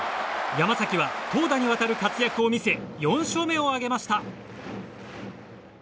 山崎は投打にわたる活躍を見せ４勝目を挙げました。